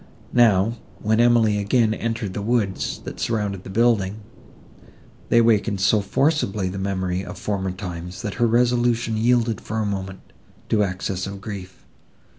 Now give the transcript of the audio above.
Now, when Emily again entered the woods, that surrounded the building, they awakened so forcibly the memory of former times, that her resolution yielded for a moment to excess of grief.